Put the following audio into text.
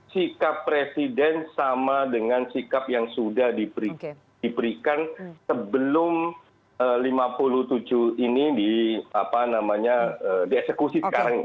sikap presiden sama dengan sikap yang sudah diberikan sebelum lima puluh tujuh ini dieksekusi sekarang